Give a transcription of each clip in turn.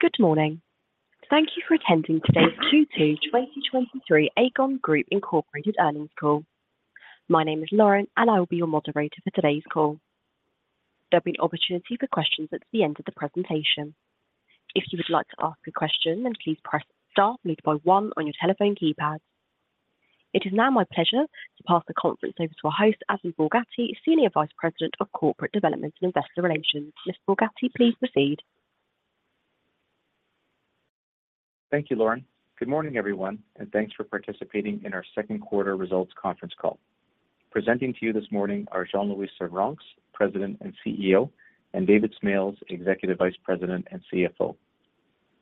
Good morning. Thank you for attending today's Q2 2023 Aecon Group Incorporated earnings call. My name is Lauren, and I will be your moderator for today's call. There'll be an opportunity for questions at the end of the presentation. If you would like to ask a question, then please press star followed by one on your telephone keypad. It is now my pleasure to pass the conference over to our host, Adam Borgatti, Senior Vice President of Corporate Development and Investor Relations. Mr. Borgatti, please proceed. Thank you, Lauren. Good morning, everyone, and thanks for participating in our Second Quarter Results Conference Call. Presenting to you this morning are Jean-Louis Servranckx, President and CEO, and David Smales, Executive Vice President and CFO.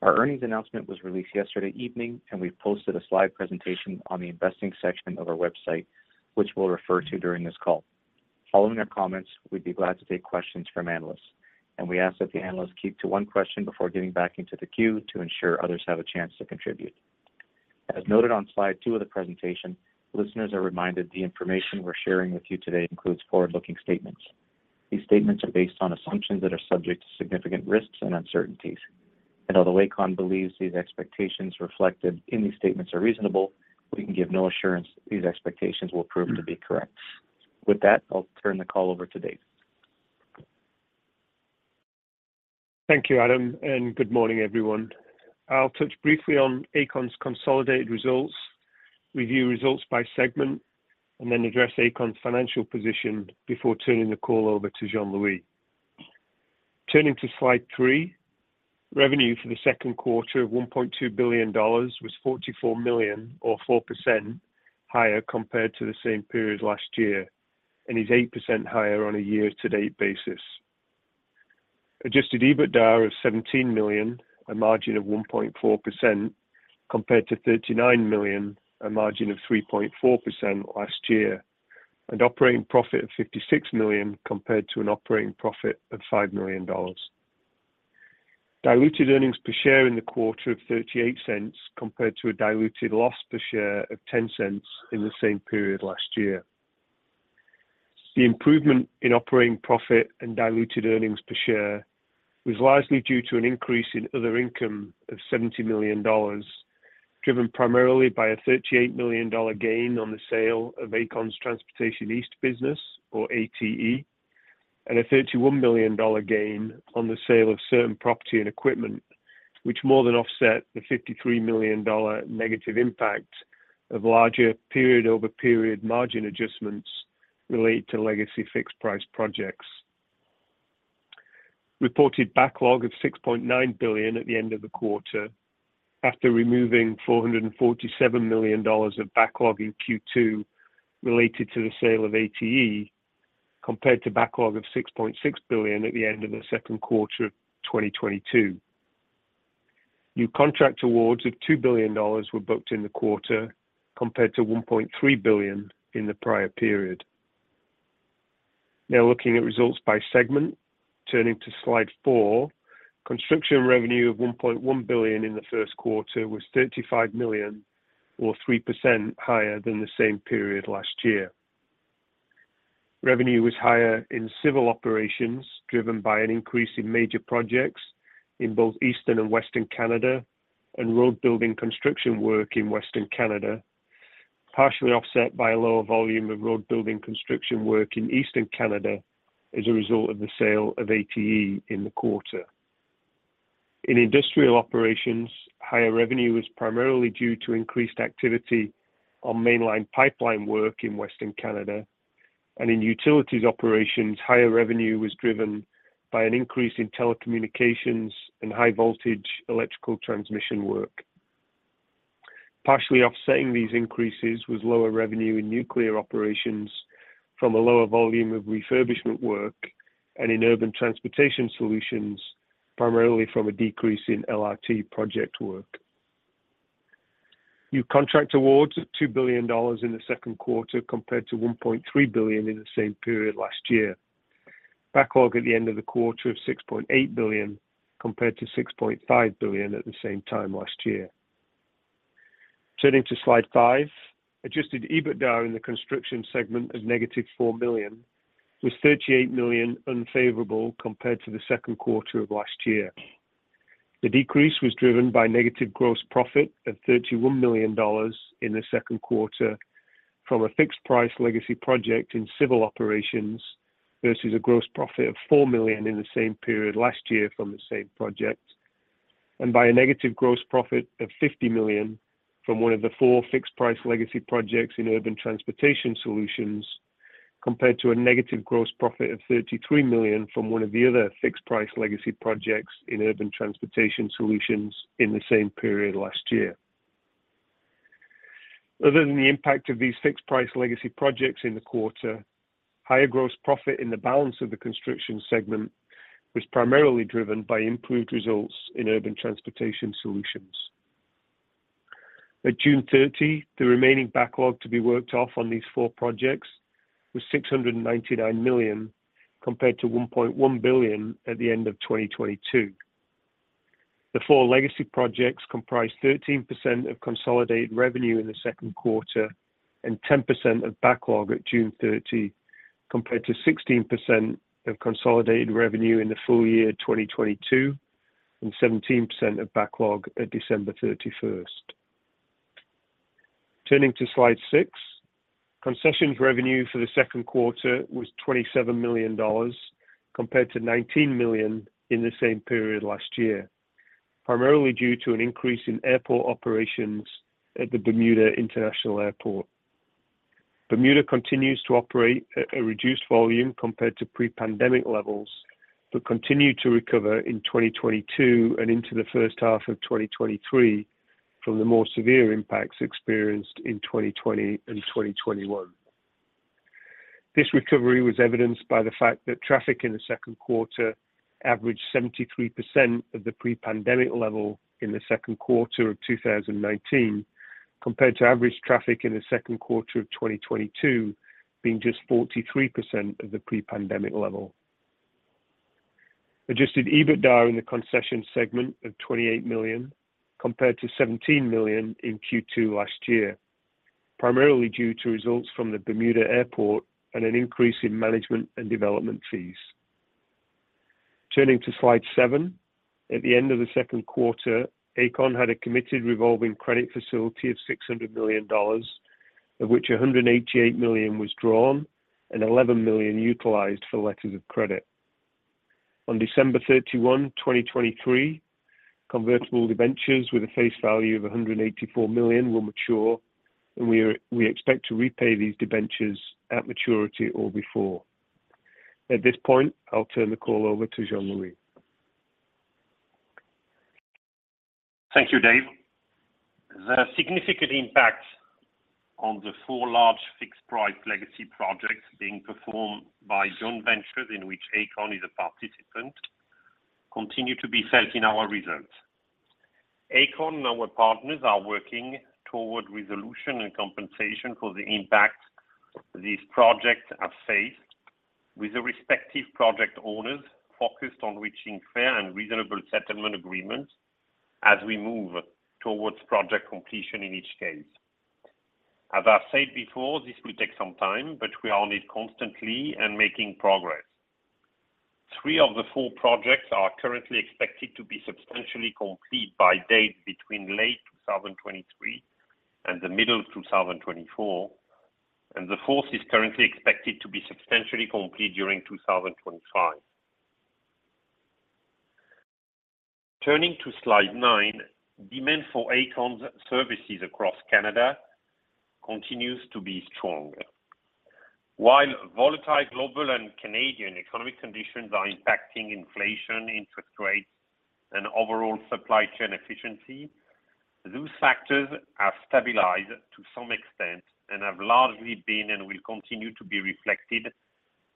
Our earnings announcement was released yesterday evening, and we posted a slide presentation on the investing section of our website, which we'll refer to during this call. Following their comments, we'd be glad to take questions from analysts, and we ask that the analysts keep to one question before getting back into the queue to ensure others have a chance to contribute. As noted on slide 2 of the presentation, listeners are reminded the information we're sharing with you today includes forward-looking statements. These statements are based on assumptions that are subject to significant risks and uncertainties, and although Aecon believes these expectations reflected in these statements are reasonable, we can give no assurance that these expectations will prove to be correct. With that, I'll turn the call over to Dave. Thank you, Adam, and good morning, everyone. I'll touch briefly on Aecon's consolidated results, review results by segment, and then address Aecon's financial position before turning the call over to Jean-Louis. Turning to slide 3, revenue for the second quarter of $1.2 billion was $44 million or 4% higher compared to the same period last year and is 8% higher on a year-to-date basis. Adjusted EBITDA of $17 million, a margin of 1.4%, compared to $39 million, a margin of 3.4% last year, and operating profit of $56 million compared to an operating profit of $5 million. Diluted earnings per share in the quarter of $0.38, compared to a diluted loss per share of $0.10 in the same period last year. The improvement in operating profit and diluted earnings per share was largely due to an increase in other income of 70 million dollars, driven primarily by a 38 million dollar gain on the sale of Aecon's Transportation East business, or ATE, and a 31 million dollar gain on the sale of certain property and equipment, which more than offset the 53 million dollar negative impact of larger period-over-period margin adjustments related to legacy fixed-price projects. Reported backlog of 6.9 billion at the end of the quarter, after removing 447 million dollars of backlog in Q2 related to the sale of ATE, compared to backlog of 6.6 billion at the end of the second quarter of 2022. New contract awards of 2 billion dollars were booked in the quarter, compared to 1.3 billion in the prior period. Looking at results by segment. Turning to slide 4, construction revenue of 1.1 billion in the first quarter was 35 million or 3% higher than the same period last year. Revenue was higher in civil operations, driven by an increase in major projects in both Eastern and Western Canada and road-building construction work in Western Canada, partially offset by a lower volume of road-building construction work in Eastern Canada as a result of the sale of ATE in the quarter. In industrial operations, higher revenue was primarily due to increased activity on mainline pipeline work in Western Canada. In utilities operations, higher revenue was driven by an increase in telecommunications and high-voltage electrical transmission work. Partially offsetting these increases was lower revenue in nuclear operations from a lower volume of refurbishment work and in urban transportation solutions, primarily from a decrease in LRT project work. New contract awards of 2 billion dollars in the second quarter, compared to 1.3 billion in the same period last year. Backlog at the end of the quarter of 6.8 billion, compared to 6.5 billion at the same time last year. Turning to slide 5, adjusted EBITDA in the construction segment of -4 million was 38 million unfavorable compared to the second quarter of last year. The decrease was driven by negative gross profit of 31 million dollars in the second quarter from a fixed price legacy project in civil operations, versus a gross profit of 4 million in the same period last year from the same project, and by a negative gross profit of 50 million from one of the four fixed price legacy projects in urban transportation solutions, compared to a negative gross profit of 33 million from one of the other fixed price legacy projects in urban transportation solutions in the same period last year. Other than the impact of these fixed price legacy projects in the quarter, higher gross profit in the balance of the construction segment was primarily driven by improved results in urban transportation solutions. At June 30, the remaining backlog to be worked off on these four projects was 699 million, compared to 1.1 billion at the end of 2022. The four legacy projects comprised 13% of consolidated revenue in the second quarter and 10% of backlog at June 30. Compared to 16% of consolidated revenue in the full year 2022, and 17% of backlog at December 31st. Turning to slide 6, concessions revenue for the second quarter was 27 million dollars, compared to 19 million in the same period last year, primarily due to an increase in airport operations at the Bermuda International Airport. Bermuda continues to operate at a reduced volume compared to pre-pandemic levels, but continued to recover in 2022 and into the first half of 2023 from the more severe impacts experienced in 2020 and 2021. This recovery was evidenced by the fact that traffic in the second quarter averaged 73% of the pre-pandemic level in the second quarter of 2019, compared to average traffic in the second quarter of 2022, being just 43% of the pre-pandemic level. Adjusted EBITDA in the concession segment of 28 million, compared to 17 million in Q2 last year, primarily due to results from the Bermuda Airport and an increase in management and development fees. Turning to slide 7. At the end of the second quarter, Aecon had a committed revolving credit facility of 600 million dollars, of which 188 million was drawn and 11 million utilized for letters of credit. On December 31, 2023, convertible debentures with a face value of 184 million will mature. We expect to repay these debentures at maturity or before. At this point, I'll turn the call over to Jean-Louis. Thank you, Dave. The significant impact on the four large fixed-price legacy projects being performed by joint ventures, in which Aecon is a participant, continue to be felt in our results. Aecon and our partners are working toward resolution and compensation for the impact these projects have faced, with the respective project owners focused on reaching fair and reasonable settlement agreements as we move towards project completion in each case. As I've said before, this will take some time, but we are on it constantly and making progress. Three of the four projects are currently expected to be substantially complete by dates between late 2023 and the middle of 2024, the fourth is currently expected to be substantially complete during 2025. Turning to Slide 9, demand for Aecon's services across Canada continues to be strong. While volatile global and Canadian economic conditions are impacting inflation, interest rates, and overall supply chain efficiency, those factors have stabilized to some extent and have largely been and will continue to be reflected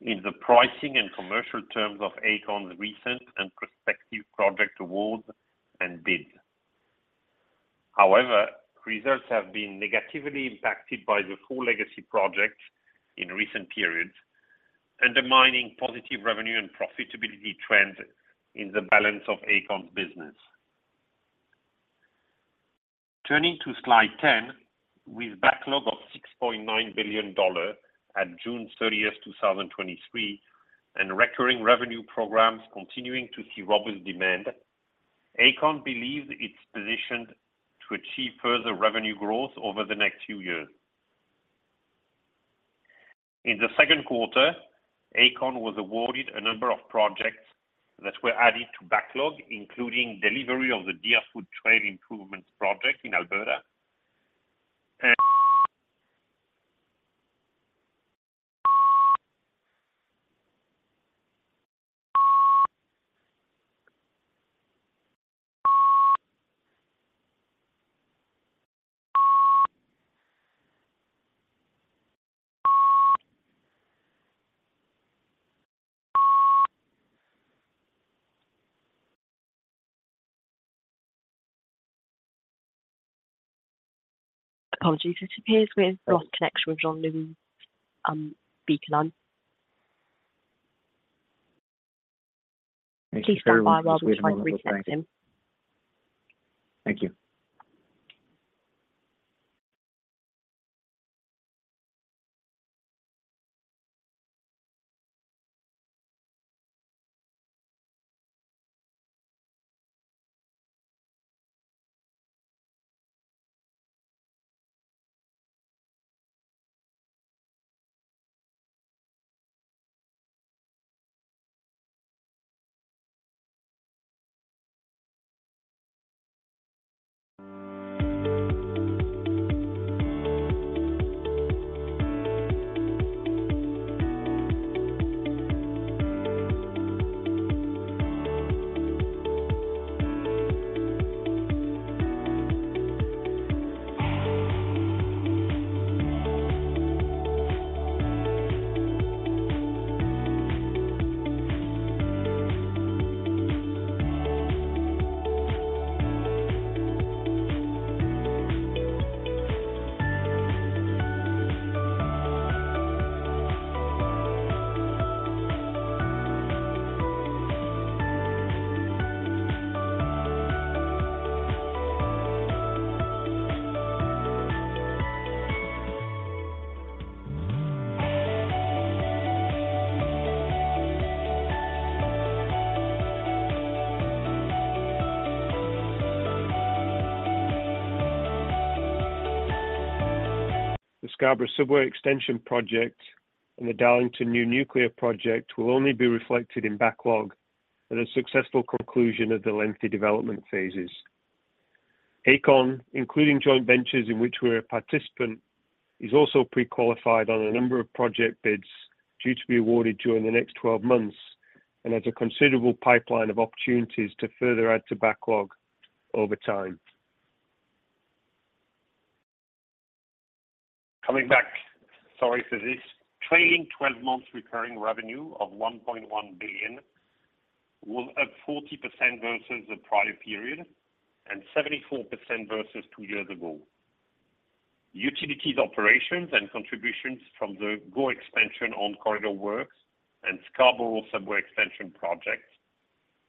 in the pricing and commercial terms of Aecon's recent and prospective project awards and bids. Results have been negatively impacted by the four legacy projects in recent periods, undermining positive revenue and profitability trends in the balance of Aecon's business. Turning to slide 10, with backlog of 6.9 billion dollars at June 30th, 2023, and recurring revenue programs continuing to see robust demand, Aecon believes it's positioned to achieve further revenue growth over the next few years. In the second quarter, Aecon was awarded a number of projects that were added to backlog, including delivery of the Deerfoot Trail Improvement Project in Alberta. Apologies, it appears we have lost connection with Jean-Louis, Aecon. Please stand by while we try to reconnect him. Thank you. The Scarborough Subway Extension Project and the Darlington New Nuclear Project will only be reflected in backlog at a successful conclusion of the lengthy development phases. Aecon, including joint ventures in which we're a participant, is also pre-qualified on a number of project bids due to be awarded during the next 12 months, and has a considerable pipeline of opportunities to further add to backlog over time. Coming back, sorry for this. Trailing 12 months recurring revenue of 1.1 billion was up 40% versus the prior period and 74% versus 2 years ago. Utilities operations and contributions from the GO Expansion On-Corridor Works and Scarborough Subway Extension Project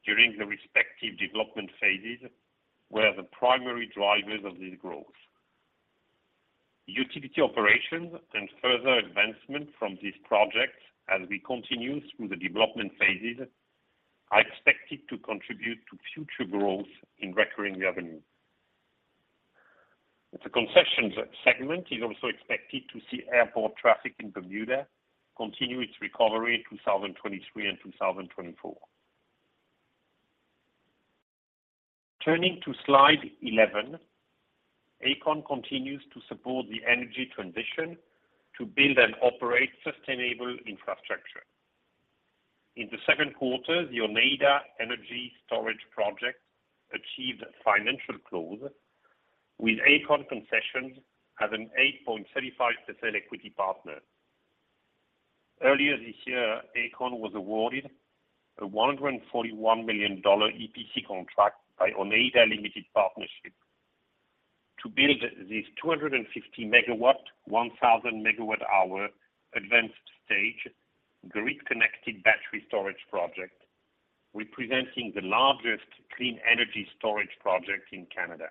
during the respective development phases were the primary drivers of this growth. Utility operations and further advancement from these projects, as we continue through the development phases, are expected to contribute to future growth in recurring revenue. The Concessions segment is also expected to see airport traffic in Bermuda continue its recovery in 2023 and 2024. Turning to slide 11, Aecon continues to support the energy transition to build and operate sustainable infrastructure. In the second quarter, the Oneida Energy Storage Project achieved financial close, with Aecon Concessions as an 8.35% equity partner. Earlier this year, Aecon was awarded a 141 million dollar EPC contract by Oneida Limited Partnership to build this 250 MW, 1,000 MWh advanced stage, grid-connected battery storage project, representing the largest clean energy storage project in Canada.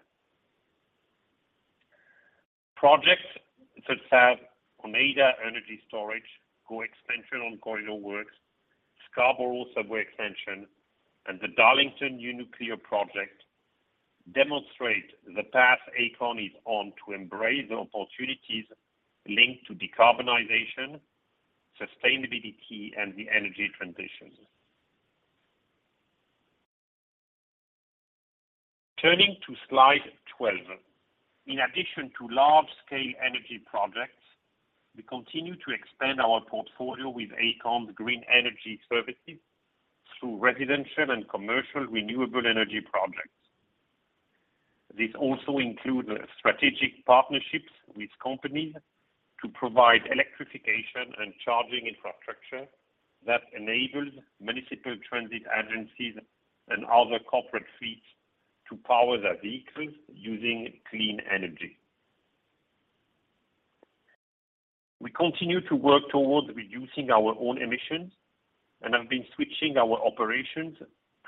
Projects such as Oneida Energy Storage, GO Expansion On-Corridor Works, Scarborough Subway Extension, and the Darlington New Nuclear Project demonstrate the path Aecon is on to embrace the opportunities linked to decarbonization, sustainability, and the energy transition. Turning to slide 12. In addition to large-scale energy projects, we continue to expand our portfolio with Aecon's green energy services through residential and commercial renewable energy projects. This also includes strategic partnerships with companies to provide electrification and charging infrastructure that enables municipal transit agencies and other corporate fleets to power their vehicles using clean energy. We continue to work towards reducing our own emissions and have been switching our operations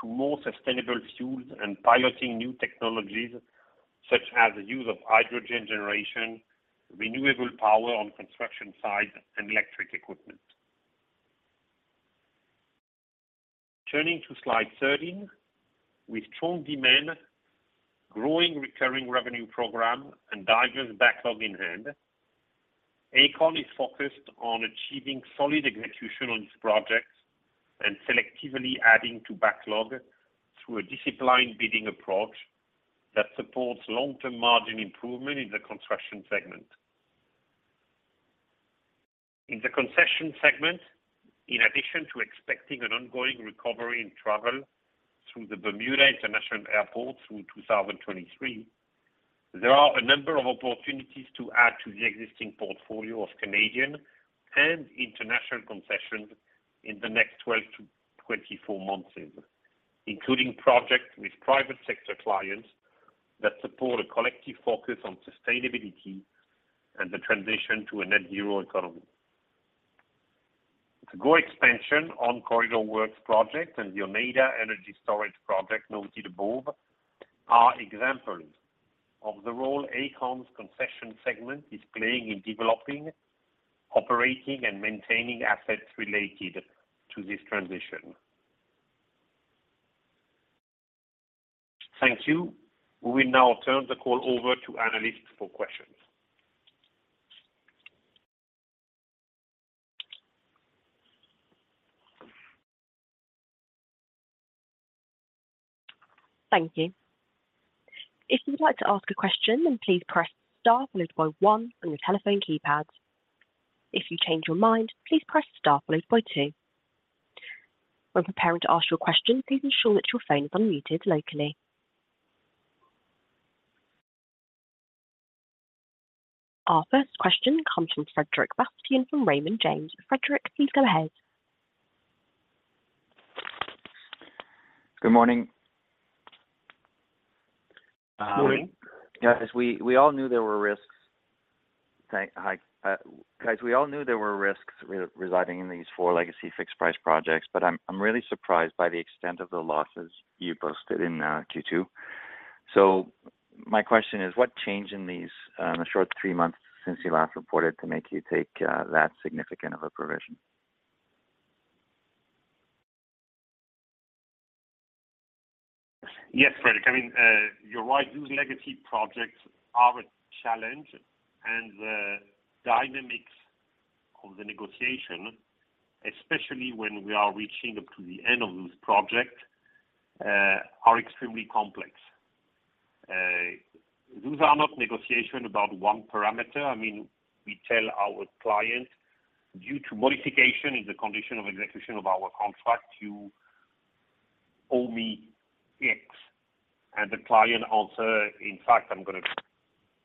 to more sustainable fuels and piloting new technologies, such as the use of hydrogen generation, renewable power on construction sites, and electric equipment. Turning to slide 13. With strong demand, growing recurring revenue program, and diverse backlog in hand, Aecon is focused on achieving solid execution on its projects and selectively adding to backlog through a disciplined bidding approach that supports long-term margin improvement in the Construction segment. In the Concession segment, in addition to expecting an ongoing recovery in travel through the Bermuda International Airport through 2023, there are a number of opportunities to add to the existing portfolio of Canadian and international concessions in the next 12 to 24 months, including projects with private sector clients that support a collective focus on sustainability and the transition to a net zero economy. The GO Expansion On-Corridor Works project and the Oneida Energy Storage Project noted above are examples of the role Aecon's Concession segment is playing in developing, operating, and maintaining assets related to this transition. Thank you. We will now turn the call over to analysts for questions. Thank you. If you would like to ask a question, please press star followed by one on your telephone keypad. If you change your mind, please press star followed by two. When preparing to ask your question, please ensure that your phone is unmuted locally. Our first question comes from Frederic Bastien from Raymond James. Frederic, please go ahead. Good morning. Good morning. Guys, we all knew there were risks residing in these four legacy fixed-price projects. I'm really surprised by the extent of the losses you posted in Q2. My question is, what changed in these in the short three months since you last reported to make you take that significant of a provision? Yes, Frederic, I mean, you're right. These legacy projects are a challenge, and the dynamics of the negotiation, especially when we are reaching up to the end of this project, are extremely complex. Those are not negotiation about one parameter. I mean, we tell our client, "Due to modification in the condition of execution of our contract, you owe me X," and the client answer, "In fact, I'm gonna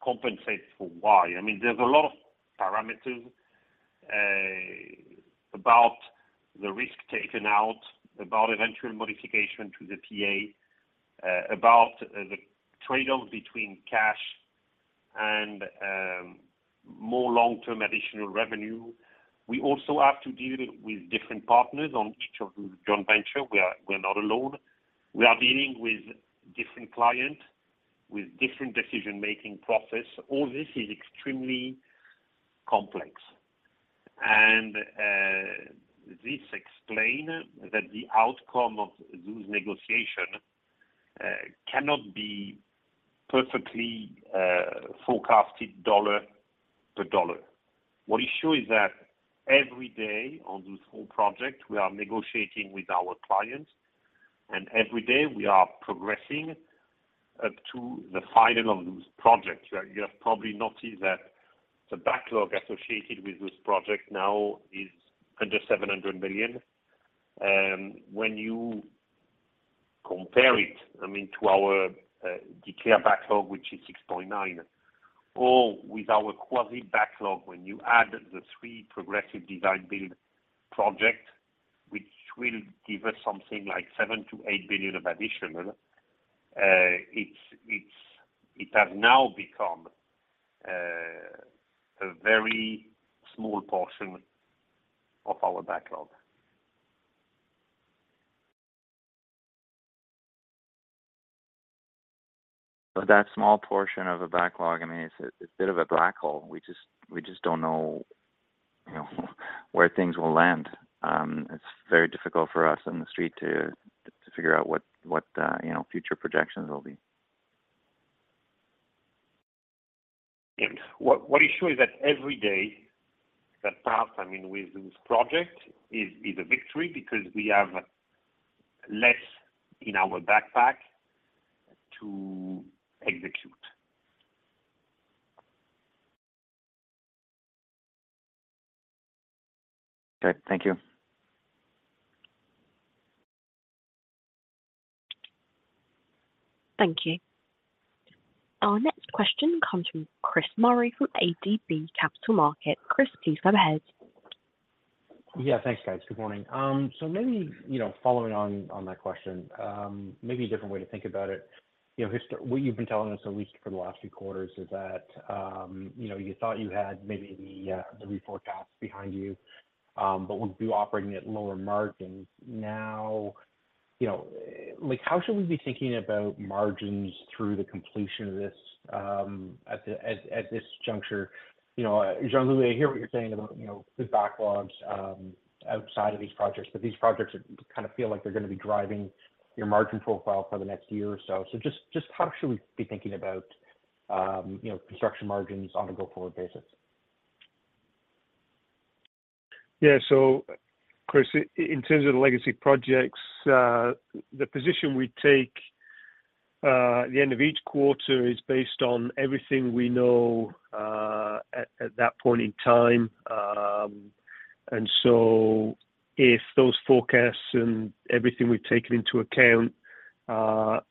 compensate for Y." I mean, there's a lot of parameters, about the risk taken out, about eventual modification to the PA, about the trade-off between cash and, more long-term additional revenue. We also have to deal with different partners on each of joint venture. We're not alone. We are dealing with different client, with different decision-making process. All this is extremely complex, this explain that the outcome of this negotiation cannot be perfectly forecasted dollar to dollar. What is sure is that every day on this whole project, we are negotiating with our clients, and every day we are progressing up to the final of this project. You have probably noticed that the backlog associated with this project now is under 700 million. When you compare it, I mean, to our declared backlog, which is 6.9 billion, or with our quasi backlog, when you add the three Progressive Design-Build project, which will give us something like 7 billion to 8 billion of additional, it has now become a very small portion of our backlog. That small portion of a backlog, I mean, it's a bit of a black hole. We just don't know, you know, where things will land. It's very difficult for us on the street to figure out what, you know, future projections will be. Yes. What is sure is that every day that pass, I mean, with this project, is a victory because we have less in our backpack to execute. Okay, thank you. Thank you. Our next question comes from Chris Murray, from ATB Capital Markets. Chris, please go ahead. Yeah, thanks, guys. Good morning. Maybe, you know, following on, on that question, maybe a different way to think about it. You know, what you've been telling us at least for the last few quarters, is that, you know, you thought you had maybe the reforecast behind you, we'll be operating at lower margins. You know, like, how should we be thinking about margins through the completion of this at this juncture? You know, generally, I hear what you're saying about, you know, the backlogs, outside of these projects, these projects kind of feel like they're gonna be driving your margin profile for the next year or so. Just how should we be thinking about, you know, construction margins on a go-forward basis? Yeah. Chris, in terms of the legacy projects, the position we take at the end of each quarter is based on everything we know at that point in time. If those forecasts and everything we've taken into account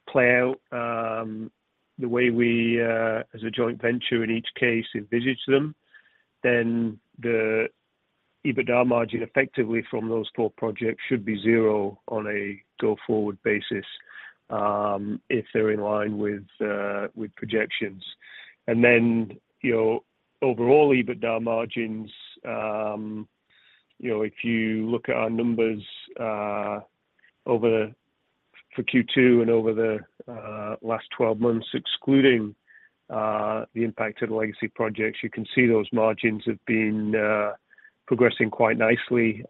play out the way we as a joint venture in each case envisages them, then the EBITDA margin effectively from those four projects should be 0 on a go-forward basis if they're in line with projections. You know, overall EBITDA margins, you know, if you look at our numbers for Q2 and over the last 12 months, excluding the impact of the legacy projects, you can see those margins have been progressing quite nicely.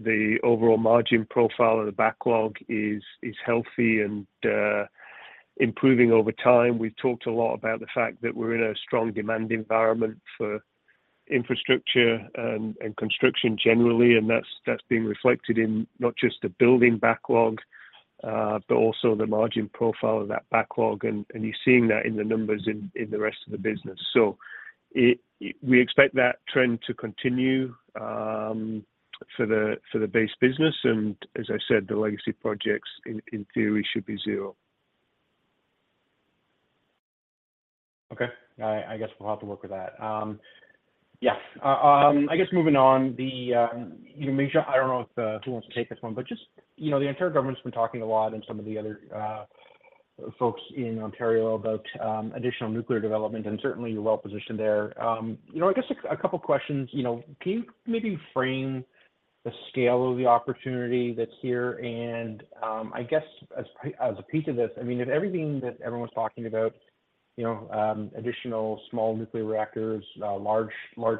The overall margin profile of the backlog is healthy and improving over time. We've talked a lot about the fact that we're in a strong demand environment for infrastructure and construction generally, and that's being reflected in not just the building backlog, but also the margin profile of that backlog, and you're seeing that in the numbers in the rest of the business. We expect that trend to continue for the base business, and as I said, the legacy projects, in theory, should be zero. Okay, I guess we'll have to work with that. Yeah, I guess moving on, the, you know, Misha, I don't know if who wants to take this one, but just, you know, the entire government's been talking a lot and some of the other folks in Ontario about additional nuclear development, and certainly you're well-positioned there. You know, I guess a couple questions. You know, can you maybe frame the scale of the opportunity that's here? I guess as a piece of this, I mean, if everything that everyone's talking about, you know, additional small nuclear reactors, large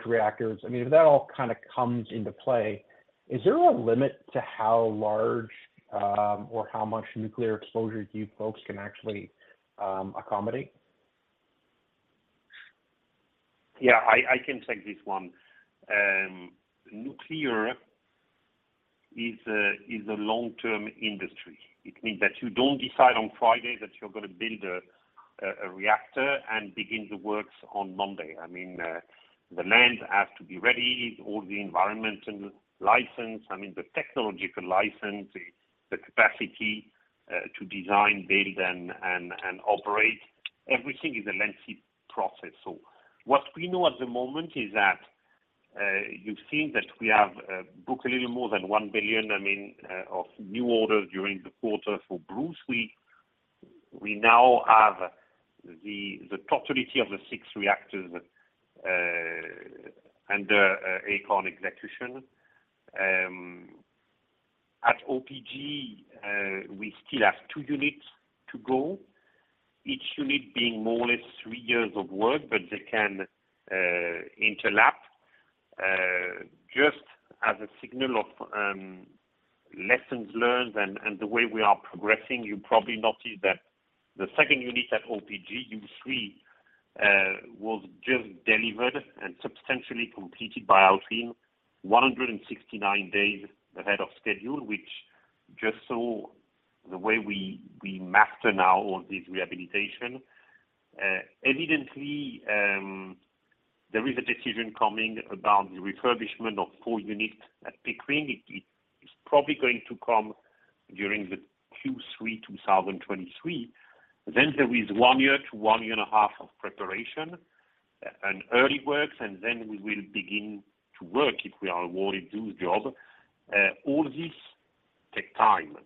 reactors, I mean, if that all kind of comes into play, is there a limit to how large or how much nuclear exposure you folks can actually accommodate? Yeah, I can take this one. Nuclear is a long-term industry. It means that you don't decide on Friday that you're going to build a reactor and begin the works on Monday. I mean, the land has to be ready, all the environmental license, I mean, the technological license, the capacity to design, build, and operate. Everything is a lengthy process. What we know at the moment is that you've seen that we have booked a little more than 1 billion, I mean, of new orders during the quarter. For Bruce, we now have the totality of the six reactors under Aecon execution. At OPG, we still have two units to go, each unit being more or less three years of work, they can interlap. Just as a signal of lessons learned and the way we are progressing, you probably noticed that the second unit at OPG, Unit 3 was just delivered and substantially completed by our team 169 days ahead of schedule, which just saw the way we master now all this rehabilitation. Evidently, there is a decision coming about the refurbishment of four units at Pickering. It is probably going to come during the Q3 2023. There is one year to one and a half years of preparation and early works, and then we will begin to work if we are awarded those job. All this take time.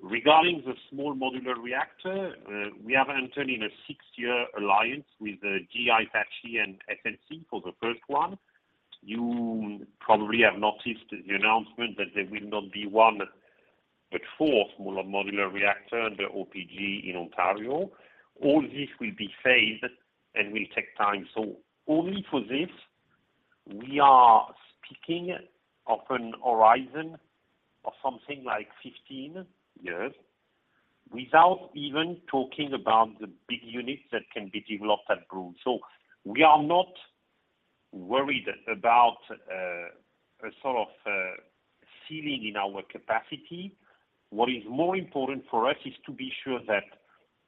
Regarding the Small Modular Reactor, we have entered in a 6-year alliance with the GE Hitachi and SNC for the first one. You probably have noticed the announcement that there will not be one, but four Small Modular Reactor under OPG in Ontario. All this will be phased and will take time. Only for this, we are speaking of an horizon of something like 15 years, without even talking about the big units that can be developed at Bruce. We are not worried about a sort of ceiling in our capacity. What is more important for us is to be sure that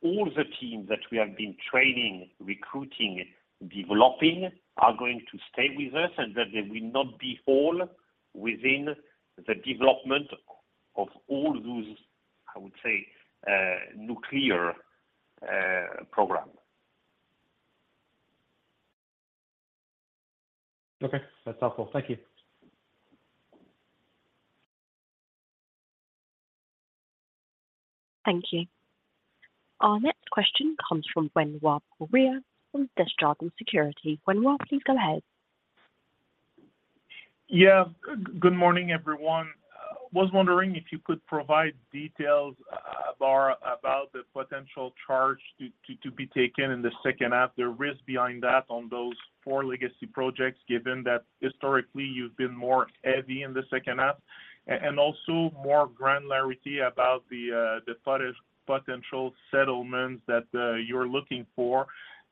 all the teams that we have been training, recruiting, developing, are going to stay with us, and that they will not be all within the development of all those, I would say, nuclear program. Okay, that's helpful. Thank you. Thank you. Our next question comes from Benoit Poirier from Desjardins Securities. Benoit, please go ahead. Good morning, everyone. was wondering if you could provide details about the potential charge to be taken in the second half, the risk behind that on those four legacy projects, given that historically, you've been more heavy in the second half? and also more granularity about the potential settlements that you're looking for,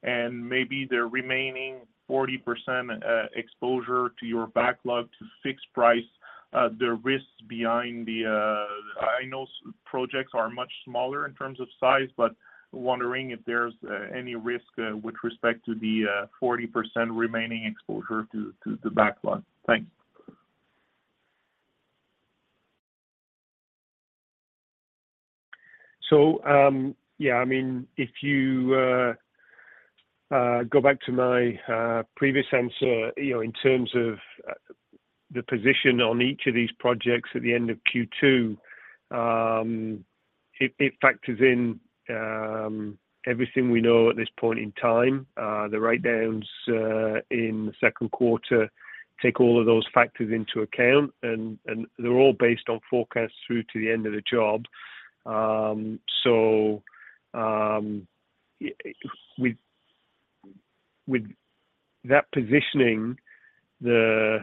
and maybe the remaining 40% exposure to your backlog to fixed price, the risks behind the... I know projects are much smaller in terms of size, but wondering if there's any risk with respect to the 40% remaining exposure to the backlog. Thanks. Yeah, I mean, if you go back to my previous answer, you know, in terms of the position on each of these projects at the end of Q2, it factors in everything we know at this point in time. The write-downs in the second quarter take all of those factors into account, and they're all based on forecasts through to the end of the job. With that positioning, the,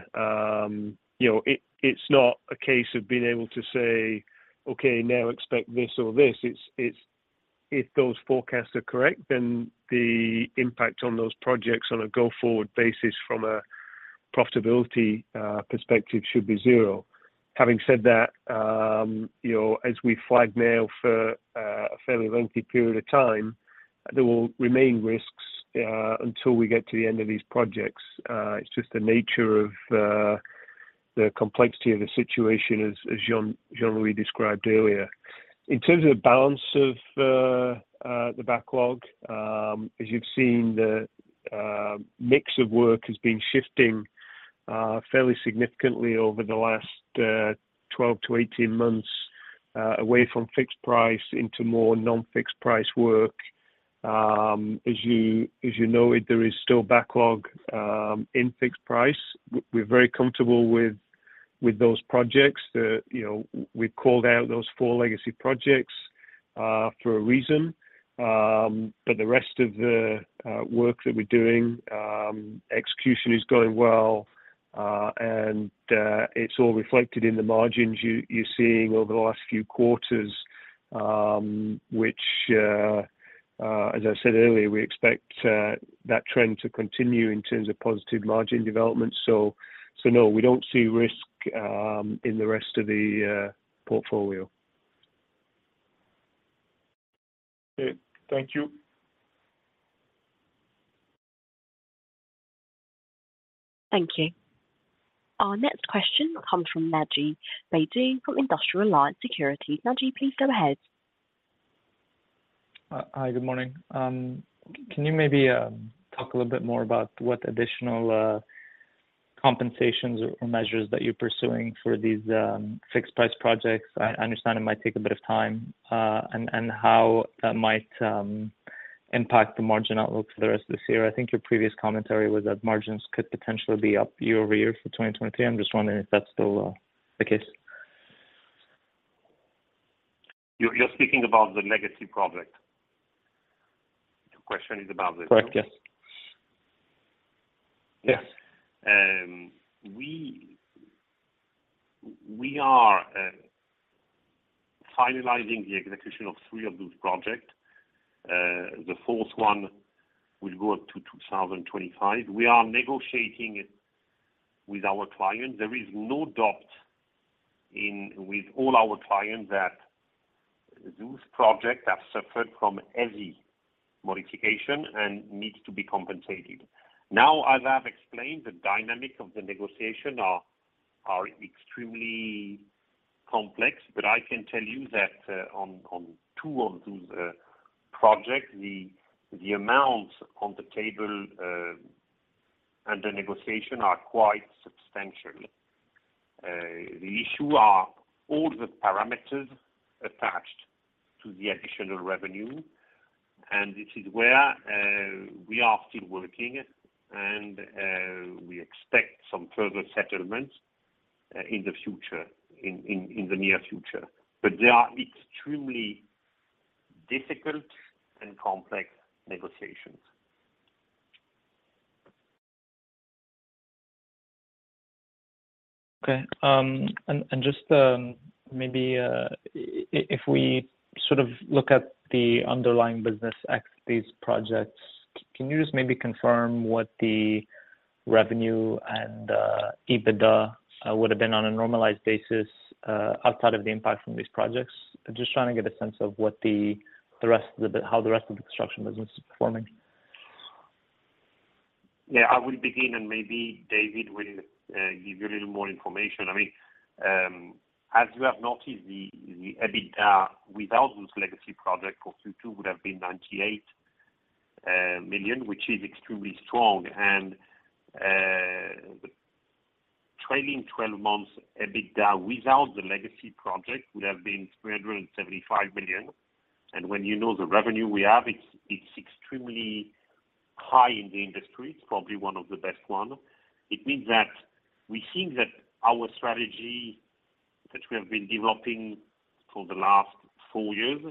you know, it's not a case of being able to say, "Okay, now expect this or this." It's if those forecasts are correct, then the impact on those projects on a go-forward basis from a profitability perspective should be 0. Having said that, you know, as we flag now for a fairly lengthy period of time, there will remain risks until we get to the end of these projects. It's just the nature of the complexity of the situation, as Jean-Louis described earlier. In terms of the balance of the backlog, as you've seen, the mix of work has been shifting fairly significantly over the last 12 to 18 months, away from fixed price into more non-fixed price work. As you know it, there is still backlog in fixed price. We're very comfortable with those projects that, you know, we called out those 4 legacy projects for a reason. The rest of the work that we're doing, execution is going well, and it's all reflected in the margins you're seeing over the last few quarters, which, as I said earlier, we expect that trend to continue in terms of positive margin development. No, we don't see risk in the rest of the portfolio. Okay, thank you. Thank you. Our next question comes from Naji Baydoun from Industrial Alliance Securities. Naji, please go ahead. Hi, good morning. Can you maybe talk a little bit more about what additional compensations or measures that you're pursuing for these fixed-price projects? I understand it might take a bit of time, and how that might impact the margin outlook for the rest of this year. I think your previous commentary was that margins could potentially be up year-over-year for 2023. I'm just wondering if that's still the case. You're speaking about the legacy project? Your question is about. Correct, yes. Yes. We are finalizing the execution of three of those projects. The 4th one will go to 2025. We are negotiating it with our clients. There is no doubt with all our clients that those projects have suffered from heavy modification and need to be compensated. As I've explained, the dynamic of the negotiation are extremely complex, but I can tell you that on two of those projects, the amounts on the table and the negotiation are quite substantial. The issue are all the parameters attached to the additional revenue, and this is where we are still working, and we expect some further settlement in the future, in the near future. They are extremely difficult and complex negotiations. Okay, and just, maybe, if we sort of look at the underlying business ex these projects, can you just maybe confirm what the revenue and EBITDA would have been on a normalized basis, outside of the impact from these projects? I'm just trying to get a sense of what the rest of the... How the rest of the construction business is performing. Yeah, I will begin, and maybe David will give you a little more information. I mean, as you have noticed, the EBITDA without those legacy projects for Q2 would have been 98 million, which is extremely strong. Trailing 12 months, EBITDA, without the legacy project, would have been 375 million. When you know the revenue we have, it's extremely high in the industry, it's probably one of the best one. It means that we think that our strategy that we have been developing for the last four years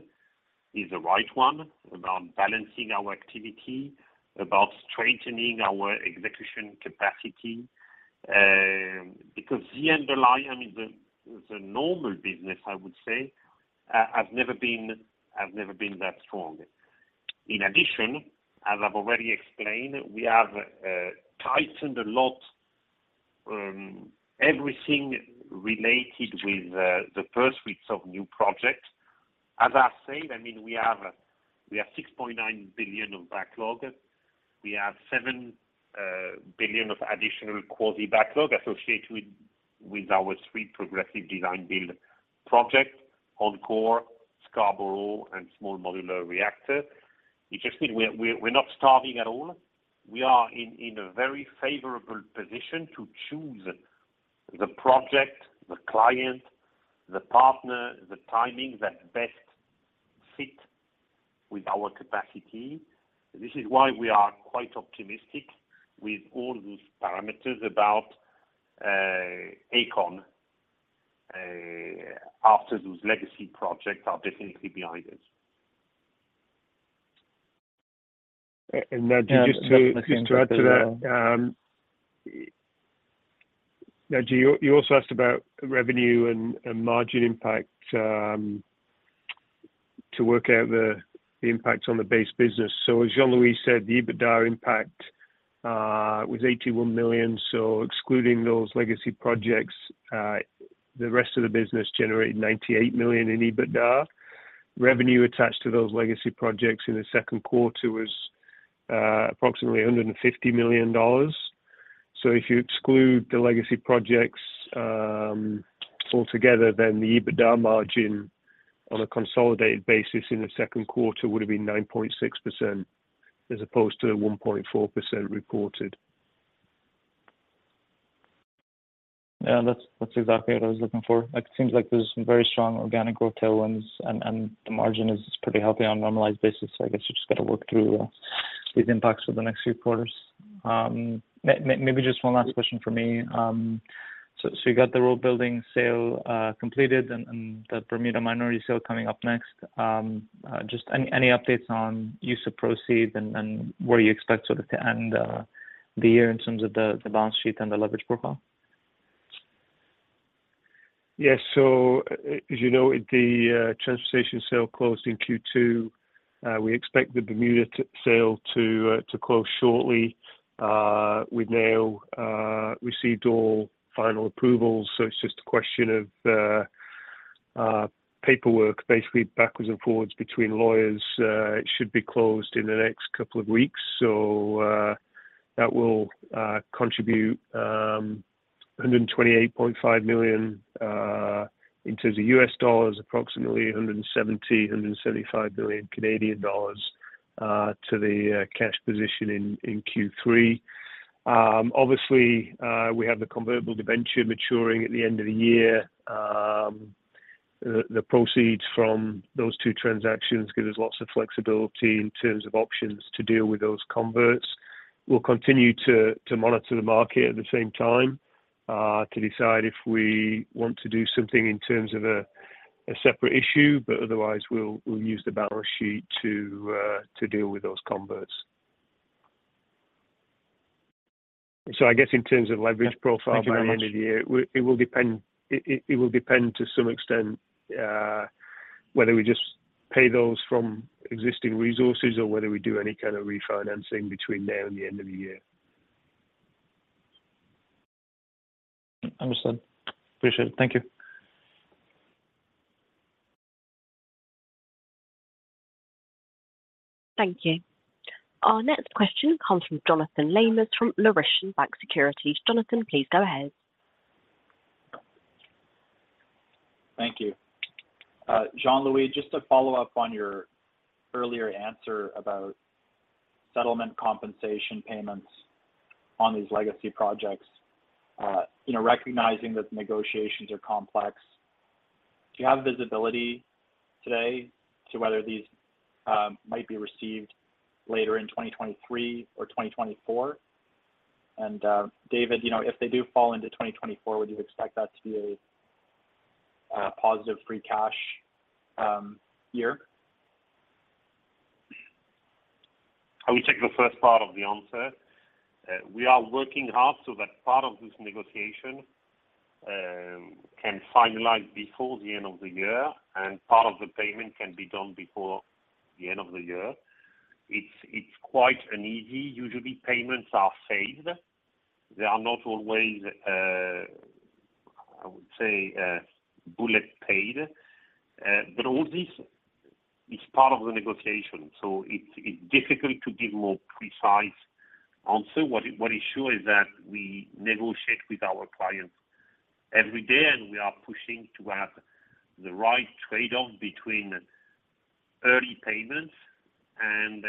is the right one, around balancing our activity, about strengthening our execution capacity. Because the underlying, I mean, the normal business, I would say, have never been that strong. In addition, as I've already explained, we have tightened a lot, everything related with the first weeks of new projects. As I said, I mean, we have 6.9 billion of backlog. We have 7 billion of additional quasi backlog associated with our three Progressive Design-Build projects: Oneida, Scarborough, and Small Modular Reactor. It just mean we're not starving at all. We are in a very favorable position to choose the project, the client, the partner, the timing that best fit with our capacity. This is why we are quite optimistic with all those parameters about Aecon after those legacy projects are definitely behind us. Naji, just to add to that, Naji, you also asked about revenue and margin impact, to work out the impact on the base business. As Jean-Louis said, the EBITDA impact was 81 million. Excluding those legacy projects, the rest of the business generated 98 million in EBITDA. Revenue attached to those legacy projects in the second quarter was approximately 150 million dollars. If you exclude the legacy projects, altogether, then the EBITDA margin on a consolidated basis in the second quarter would have been 9.6%, as opposed to the 1.4% reported. Yeah, that's exactly what I was looking for. It seems like there's some very strong organic growth tailwinds, and the margin is pretty healthy on a normalized basis. I guess you just got to work through these impacts for the next few quarters. Maybe just one last question for me. You got the roadbuilding sale completed and the Bermuda minority sale coming up next. Just any updates on use of proceeds and where you expect sort of to end the year in terms of the balance sheet and the leverage profile? Yes. As you know, the transportation sale closed in Q2. We expect the Bermuda sale to close shortly. We've now received all final approvals, it's just a question of paperwork, basically backwards and forwards between lawyers. It should be closed in the next couple of weeks, that will contribute $128.5 million in terms of U.S. dollars, approximately 170 million to 175 million Canadian dollars to the cash position in Q3. Obviously, we have the convertible debenture maturing at the end of the year. The proceeds from those two transactions give us lots of flexibility in terms of options to deal with those converts. We'll continue to monitor the market at the same time, to decide if we want to do something in terms of a separate issue, but otherwise, we'll use the balance sheet to deal with those converts. I guess in terms of leverage profile. Thank you very much. By the end of the year, it will depend, it will depend to some extent, whether we just pay those from existing resources or whether we do any kind of refinancing between now and the end of the year. Understood. Appreciate it. Thank you. Thank you. Our next question comes from Jonathan Lamers, from Laurentian Bank Securities. Jonathan, please go ahead. Thank you. Jean-Louis, just to follow up on your earlier answer about settlement compensation payments on these legacy projects. You know, recognizing that negotiations are complex, do you have visibility today to whether these might be received later in 2023 or 2024? David, you know, if they do fall into 2024, would you expect that to be a positive free cash year? I will take the first part of the answer. We are working hard so that part of this negotiation can finalize before the end of the year. Part of the payment can be done before the end of the year. It's quite uneasy. Usually, payments are saved. They are not always, I would say, bullet paid. All this is part of the negotiation, so it's difficult to give more precise answer. What is sure is that we negotiate with our clients every day. We are pushing to have the right trade-off between early payments and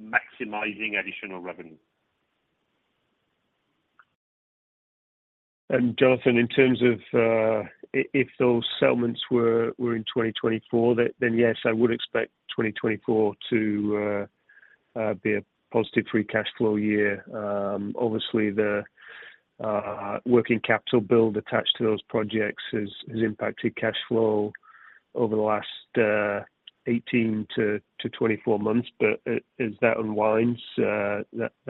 maximizing additional revenue. Jonathan, in terms of, if those settlements were in 2024, then yes, I would expect 2024 to be a positive free cash flow year. Obviously, the working capital build attached to those projects has impacted cash flow over the last 18 to 24 months. As that unwinds, that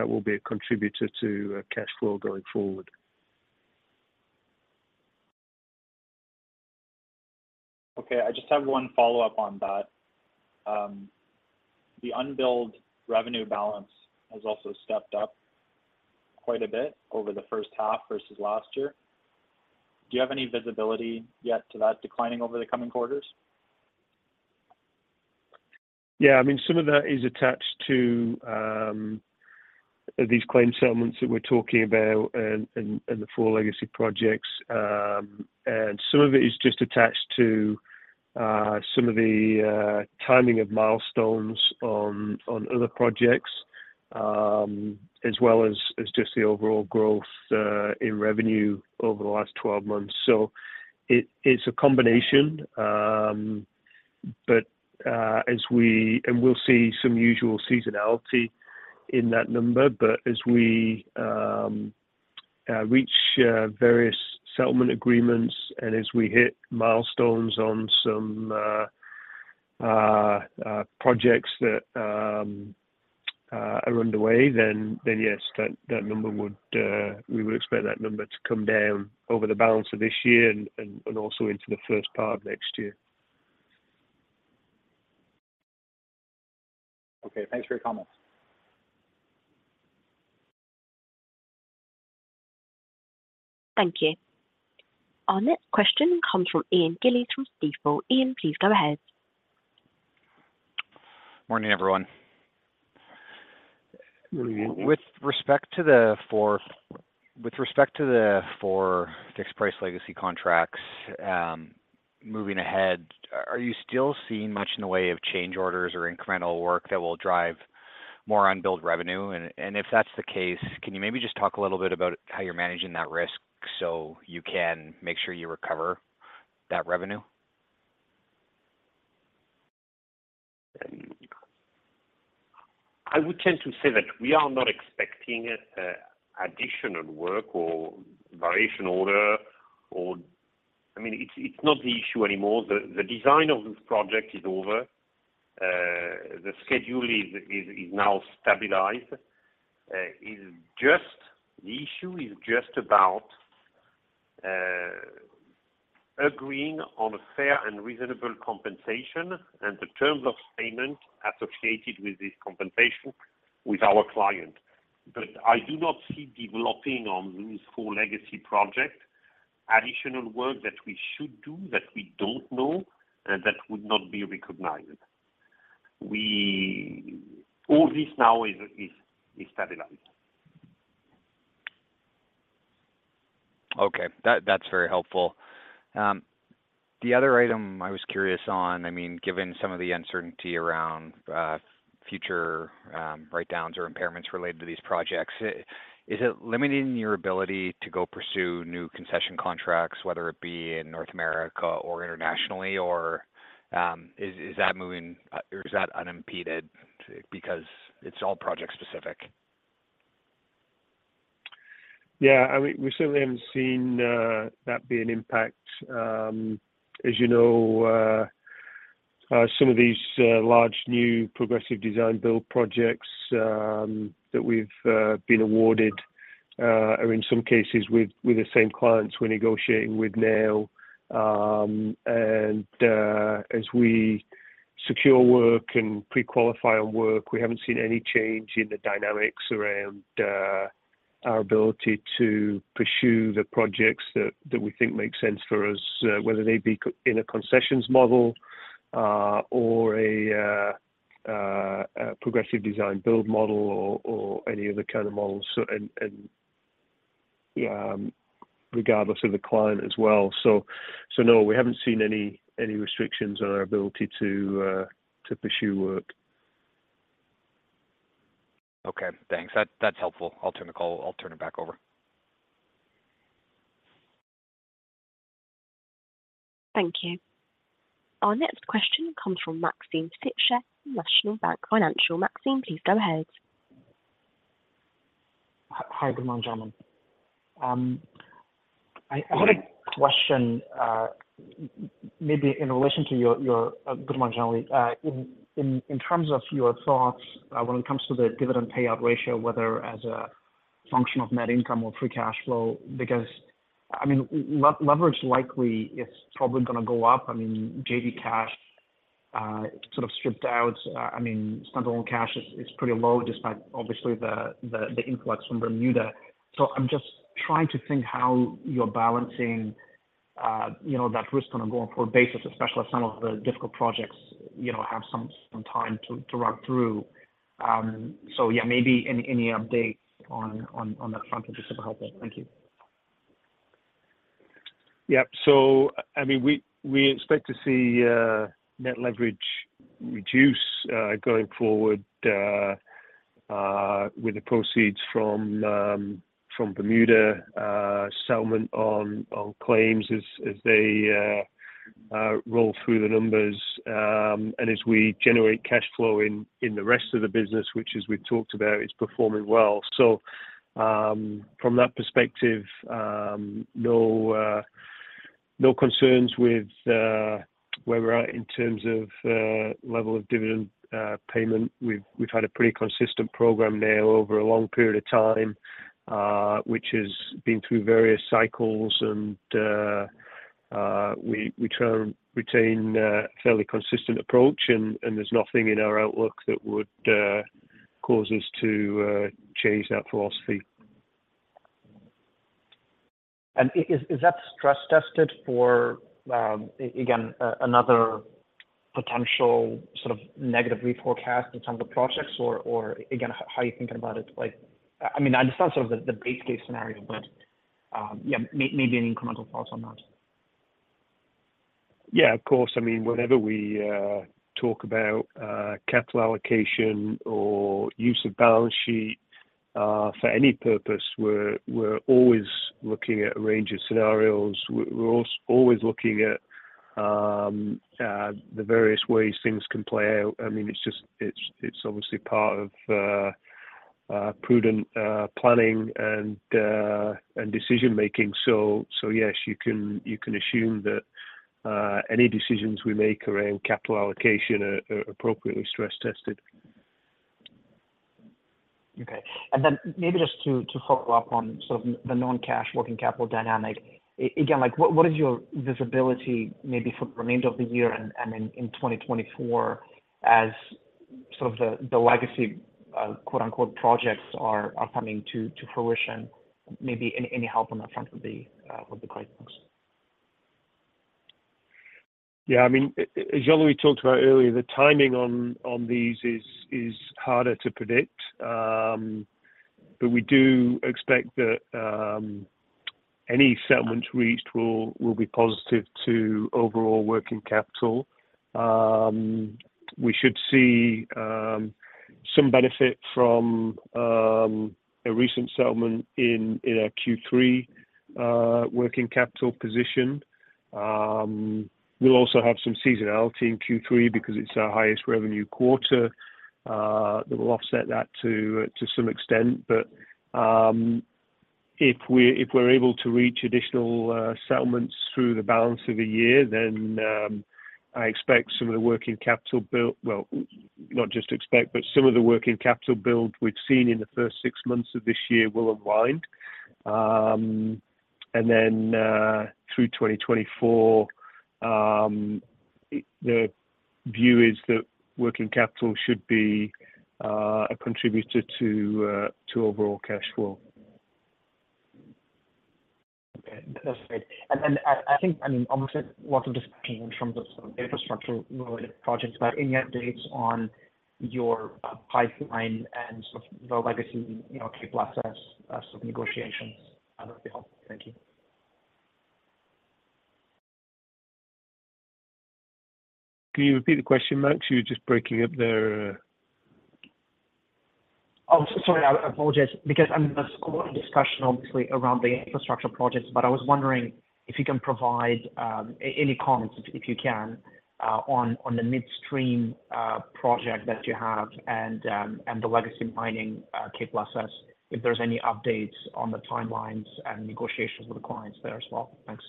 will be a contributor to cash flow going forward. Okay, I just have one follow-up on that. The unbilled revenue balance has also stepped up quite a bit over the first half versus last year. Do you have any visibility yet to that declining over the coming quarters? Some of that is attached to these claim settlements that we're talking about and the four legacy projects. Some of it is just attached to some of the timing of milestones on other projects as well as just the overall growth in revenue over the last 12 months. It's a combination. We'll see some usual seasonality in that number, but as we reach various settlement agreements and as we hit milestones on some projects that are underway, then, yes, that number would we would expect that number to come down over the balance of this year and also into the first part of next year. Okay, thanks for your comment. Thank you. Our next question comes from Ian Gillies, from Stifel. Ian, please go ahead. Morning, everyone. Good morning, Ian. With respect to the four fixed-price legacy contracts, moving ahead, are you still seeing much in the way of change orders or incremental work that will drive more unbilled revenue? If that's the case, can you maybe just talk a little bit about how you're managing that risk so you can make sure you recover that revenue? I would tend to say that we are not expecting additional work or variation order or. I mean, it's not the issue anymore. The design of this project is over. The schedule is now stabilized. The issue is just about agreeing on a fair and reasonable compensation and the terms of payment associated with this compensation with our client. I do not see developing on these four legacy projects, additional work that we should do, that we don't know, and that would not be recognized. All this now is stabilized. Okay. That's very helpful. I mean, given some of the uncertainty around future write-downs or impairments related to these projects, is it limiting your ability to go pursue new concession contracts, whether it be in North America or internationally, or is that moving, or is that unimpeded because it's all project specific? Yeah, I mean, we certainly haven't seen that be an impact. As you know, some of these large, new Progressive Design-Build projects that we've been awarded are in some cases with the same clients we're negotiating with now. As we secure work and pre-qualify on work, we haven't seen any change in the dynamics around our ability to pursue the projects that we think make sense for us, whether they be in a concessions model, or a Progressive Design-Build model or any other kind of models. Regardless of the client as well. No, we haven't seen any restrictions on our ability to pursue work. Okay, thanks. That's helpful. I'll turn it back over. Thank you. Our next question comes from Maxim Sytchev, National Bank Financial. Maxim, please go ahead. Hi, good morning, gentlemen. Hi... I had a question, maybe in relation to your, your. Good morning, gentlemen. In terms of your thoughts, when it comes to the dividend payout ratio, whether as a function of net income or free cash flow, because, I mean, leverage likely is probably gonna go up. I mean, JV cash, sort of stripped out, I mean, standalone cash is pretty low, despite obviously the influx from Bermuda. I'm just trying to think how you're balancing, you know, that risk on a going-forward basis, especially as some of the difficult projects, you know, have some time to run through. Yeah, maybe any updates on that front would be super helpful. Thank you. Yep. I mean, we expect to see net leverage reduce going forward with the proceeds from Bermuda settlement on claims as they roll through the numbers, and as we generate cash flow in the rest of the business, which, as we've talked about, is performing well. From that perspective, no concerns with where we're at in terms of level of dividend payment. We've had a pretty consistent program now over a long period of time, which has been through various cycles, and we try and retain a fairly consistent approach, and there's nothing in our outlook that would cause us to change that philosophy. Is that stress tested for, again, another potential sort of negative reforecast in terms of projects? Or again, how are you thinking about it? Like, I mean, I understand sort of the base case scenario, but, yeah, maybe any incremental thoughts on that. Yeah, of course. I mean, whenever we talk about capital allocation or use of balance sheet for any purpose, we're always looking at a range of scenarios. We're also always looking at the various ways things can play out. I mean, it's just, it's obviously part of prudent planning and decision-making. Yes, you can assume that any decisions we make around capital allocation are appropriately stress-tested. Okay. Then maybe just to follow up on sort of the non-cash working capital dynamic, again, like, what is your visibility maybe for the remainder of the year and in 2024 sort of the legacy, quote, unquote, "projects" are coming to fruition? Maybe any help on that front would be great, thanks. Yeah, I mean, as Jean-Louis talked about earlier, the timing on these is harder to predict. We do expect that any settlements reached will be positive to overall working capital. We should see some benefit from a recent settlement in our Q3 working capital position. We'll also have some seasonality in Q3 because it's our highest revenue quarter that will offset that to some extent. If we're able to reach additional settlements through the balance of the year, I expect some of the working capital build. Well, not just expect, but some of the working capital build we've seen in the first 6 months of this year will unwind. Through 2024, the view is that working capital should be a contributor to overall cash flow. Okay. That's great. I think, obviously, a lot of discussion in terms of sort of infrastructure-related projects, any updates on your pipeline and sort of the legacy, you know, K+S, sort of negotiations? That would be helpful. Thank you. Can you repeat the question, Max? You're just breaking up there. Sorry, I apologize. I mean, there's a lot of discussion obviously around the infrastructure projects, but I was wondering if you can provide any comments, if you can, on the midstream project that you have and the legacy mining K+S, if there's any updates on the timelines and negotiations with the clients there as well. Thanks.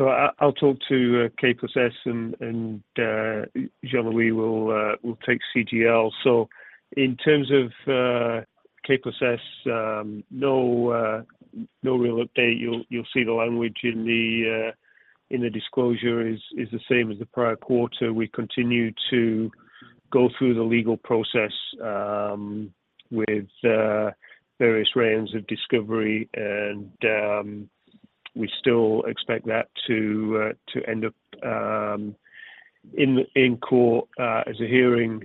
I'll talk to K+S and Jean-Louis will take CGL. In terms of K+S, no real update. You'll see the language in the disclosure is the same as the prior quarter. We continue to go through the legal process with various rounds of discovery, and we still expect that to end up in court as a hearing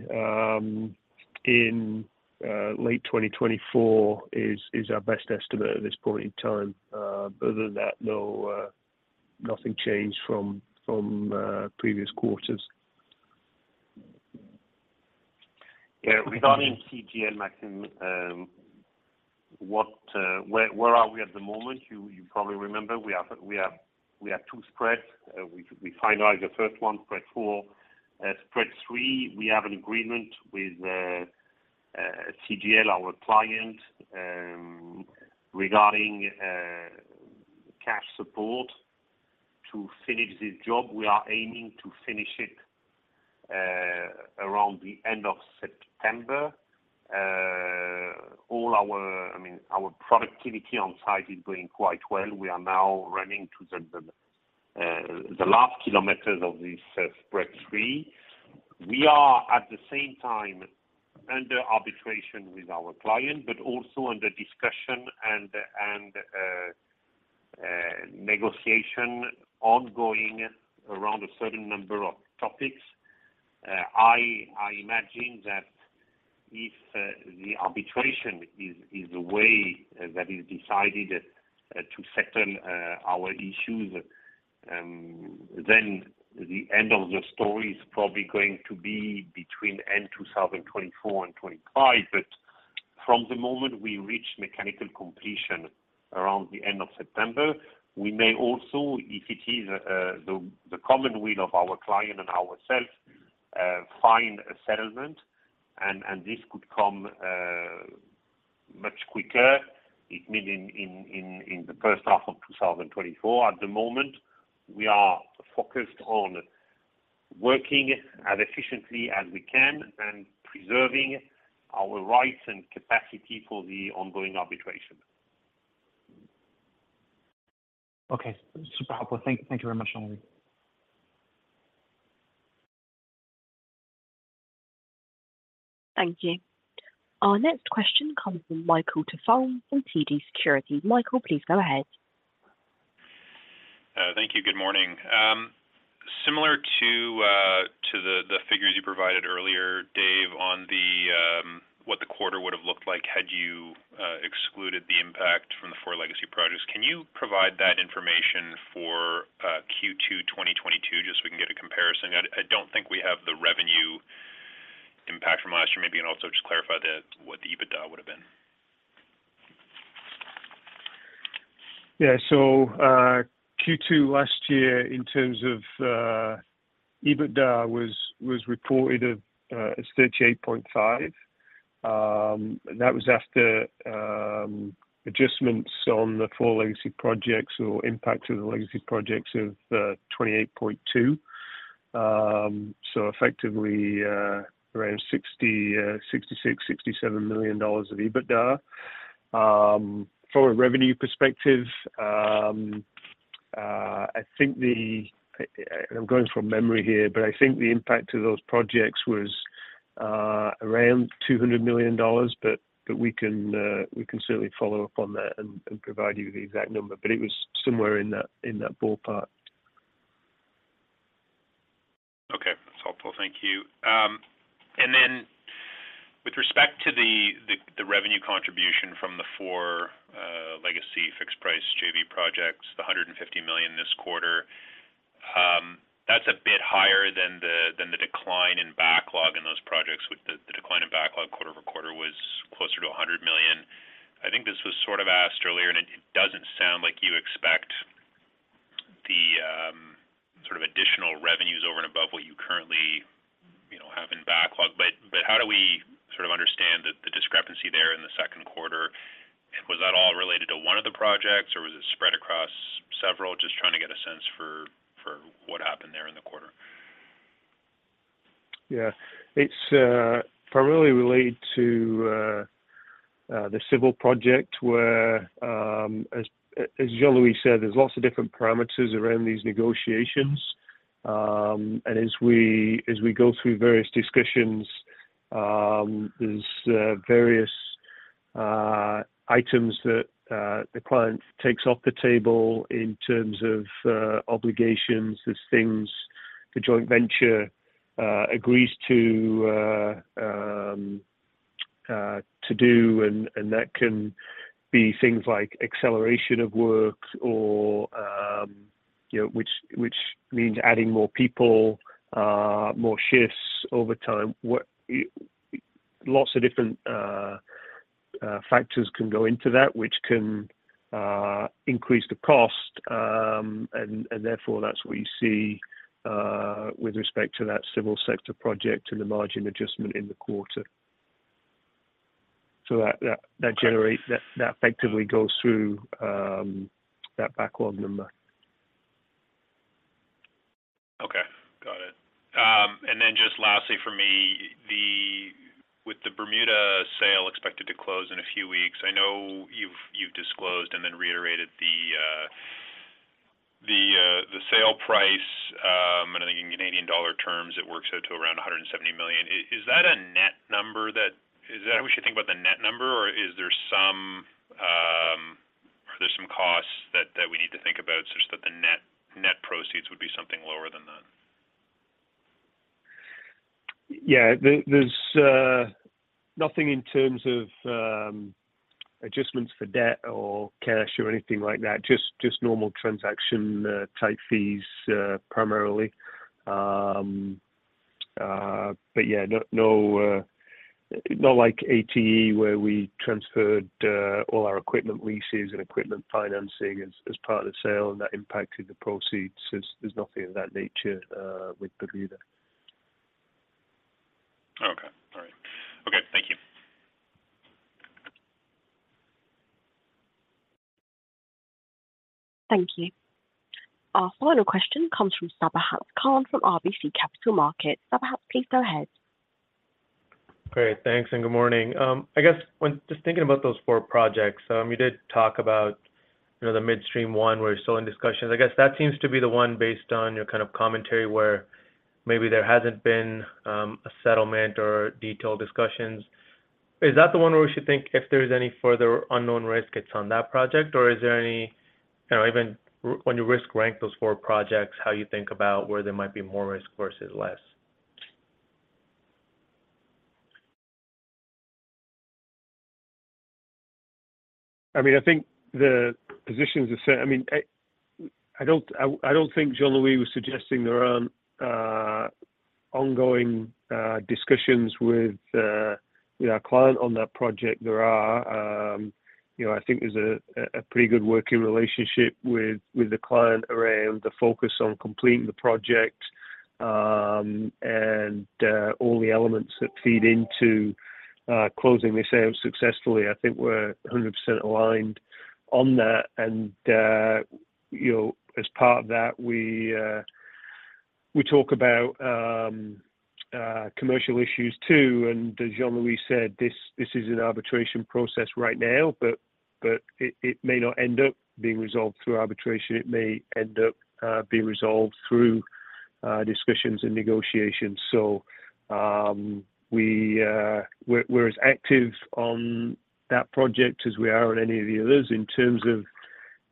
in late 2024, is our best estimate at this point in time. Other than that, no nothing changed from previous quarters. Yeah, regarding CGL, Maxim, what, where are we at the moment? You probably remember, we had 2 spreads. We finalized the first one, spread 4. Spread 3, we have an agreement with CGL, our client, regarding cash support to finish the job. We are aiming to finish it around the end of September. I mean, our productivity on site is doing quite well. We are now running to the last kilometers of this spread 3. We are, at the same time, under arbitration with our client, but also under discussion and negotiation ongoing around a certain number of topics. I imagine that if the arbitration is, is the way that is decided to settle our issues, then the end of the story is probably going to be between end 2024 and 2025. From the moment we reach mechanical completion around the end of September, we may also, if it is the common will of our client and ourselves, find a settlement, and this could come much quicker. It mean in the first half of 2024. At the moment, we are focused on working as efficiently as we can and preserving our rights and capacity for the ongoing arbitration. Okay, super helpful. Thank you very much, Jean-Louis. Thank you. Our next question comes from Michael Tupholme from TD Securities. Michael, please go ahead. Thank you. Good morning. Similar to the figures you provided earlier, Dave, on what the quarter would have looked like had you excluded the impact from the four legacy projects, can you provide that information for Q2 2022, just so we can get a comparison? I don't think we have the revenue impact from last year. Maybe you can also just clarify what the EBITDA would have been. Yeah, so Q2 last year, in terms of EBITDA, was reported at 38.5%. That was after adjustments on the four legacy projects or impact of the legacy projects of 28.2%. Effectively, around 60 million, 66 million to 67 million dollars of EBITDA. From a revenue perspective, I'm going from memory here, but I think the impact to those projects was around 200 million dollars. We can certainly follow up on that and provide you with the exact number, but it was somewhere in that, in that ballpark. Okay, that's helpful. Thank you. With respect to the revenue contribution from the four legacy fixed-price JV projects, the 150 million this quarter, that's a bit higher than the decline in backlog in those projects, with the decline in backlog quarter-over-quarter was closer to 100 million. I think this was sort of asked earlier, it doesn't sound like you expect the sort of additional revenues over and above what you currently, you know, have in backlog. How do we sort of understand the discrepancy there in the second quarter? Was that all related to one of the projects, or was it spread across several? Just trying to get a sense for what happened there in the quarter. Yeah. It's primarily related to the civil project, where, as Jean-Louis said, there's lots of different parameters around these negotiations. As we go through various discussions, there's various items that the client takes off the table in terms of obligations. There's things the joint venture agrees to do, and that can be things like acceleration of works or, you know, which means adding more people, more shifts over time. Lots of different factors can go into that, which can increase the cost. Therefore, that's what you see with respect to that civil sector project and the margin adjustment in the quarter. That generates, that effectively goes through that backlog number. Okay, got it. Just lastly for me, with the Bermuda sale expected to close in a few weeks, I know you've, you've disclosed and reiterated the sale price. I think in Canadian dollar terms, it works out to around 170 million. Is that how we should think about the net number, or are there some costs that we need to think about such that the net proceeds would be something lower than that? Yeah. There's nothing in terms of adjustments for debt or cash or anything like that, just normal transaction type fees, primarily. Yeah, no, not like ATE, where we transferred all our equipment leases and equipment financing as part of the sale, and that impacted the proceeds. There's nothing of that nature with Bermuda. Okay. All right. Okay, thank you. Thank you. Our final question comes from Sabahat Khan from RBC Capital Markets. Sabahat, please go ahead. Great. Thanks, and good morning. I guess just thinking about those 4 projects, you did talk about, you know, the midstream one, where you're still in discussions. I guess that seems to be the one, based on your kind of commentary, where maybe there hasn't been a settlement or detailed discussions. Is that the one where we should think if there is any further unknown risk, it's on that project? Or is there any? You know, even when you risk rank those 4 projects, how you think about where there might be more risk versus less? I mean, I think the positions are I mean, I don't think Jean-Louis was suggesting there aren't ongoing discussions with our client on that project. There are. You know, I think there's a pretty good working relationship with the client around the focus on completing the project and all the elements that feed into closing this out successfully. I think we're 100% aligned on that, you know, as part of that, we talk about commercial issues too. As Jean-Louis said, this is an arbitration process right now, but it may not end up being resolved through arbitration. It may end up being resolved through discussions and negotiations. We're as active on that project as we are on any of the others in terms of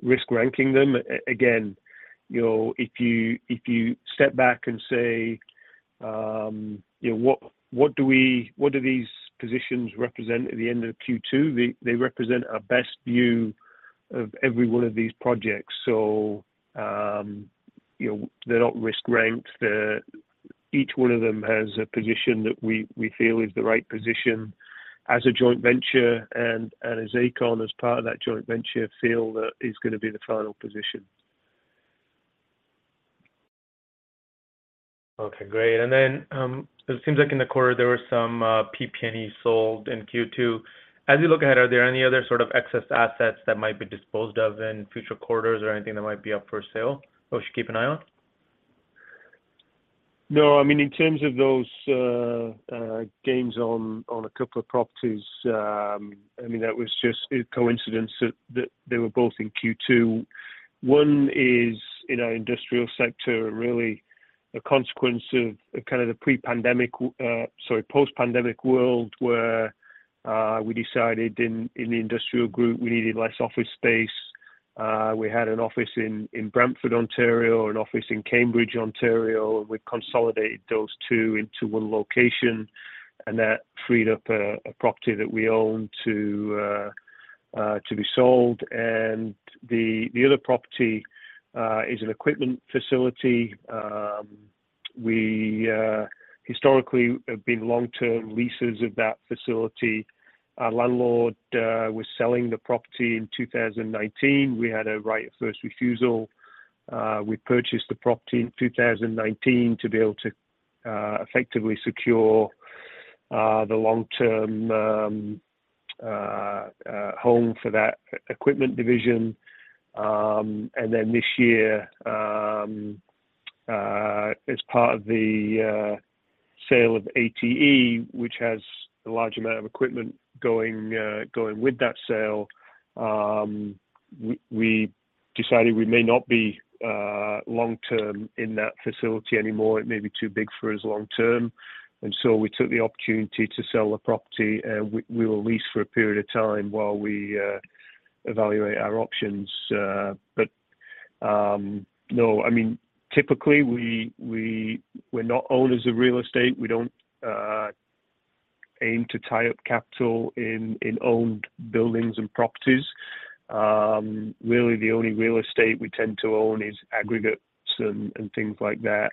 risk ranking them. Again, you know, if you, if you step back and say, you know, "What do these positions represent at the end of Q2?" They represent our best view of every one of these projects. You know, they're not risk-ranked. Each one of them has a position that we feel is the right position as a joint venture and as Aecon, as part of that joint venture, feel that is gonna be the final position. Okay, great. It seems like in the quarter, there were some PP&E sold in Q2. As you look ahead, are there any other sort of excess assets that might be disposed of in future quarters or anything that might be up for sale, or we should keep an eye on? No, I mean, in terms of those gains on a couple of properties, I mean, that was just a coincidence that they were both in Q2. One is in our industrial sector, really a consequence of kind of the pre-pandemic, sorry, post-pandemic world, where we decided in the industrial group, we needed less office space. We had an office in Brantford, Ontario, an office in Cambridge, Ontario, and we consolidated those two into one location, and that freed up a property that we own to be sold. The other property is an equipment facility. We historically have been long-term leases of that facility. Our landlord was selling the property in 2019. We had a right of first refusal. We purchased the property in 2019 to be able to effectively secure the long-term home for that equipment division. This year, as part of the sale of ATE, which has a large amount of equipment going with that sale, we decided we may not be long-term in that facility anymore. It may be too big for us long term, we took the opportunity to sell the property, we will lease for a period of time while we evaluate our options. No, I mean, typically, we're not owners of real estate. We don't aim to tie up capital in owned buildings and properties. Really, the only real estate we tend to own is aggregates and things like that.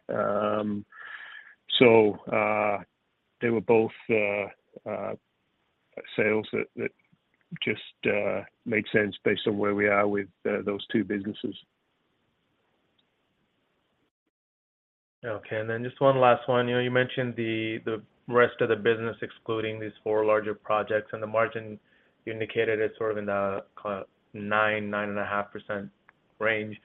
They were both sales that just made sense based on where we are with those two businesses. Okay, just one last one. You know, you mentioned the, the rest of the business, excluding these four larger projects, and the margin you indicated is sort of in the 9%, 9.5% range.